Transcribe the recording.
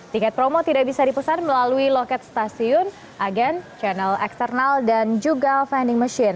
tiket promo tidak bisa dipesan melalui loket stasiun agen channel eksternal dan juga vending machine